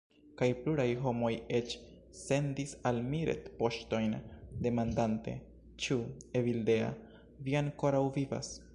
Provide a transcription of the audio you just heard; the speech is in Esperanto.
Kaj pluraj homoj eĉ sendis al mi retpoŝtojn, demandante: ĉu, Evildea, vi ankoraŭ vivas?